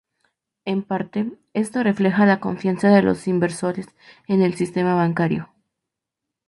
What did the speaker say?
En parte, esto refleja la confianza de los inversores en el sistema bancario.